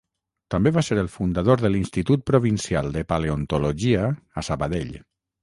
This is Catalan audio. També va ser el fundador de l'Institut Provincial de Paleontologia a Sabadell.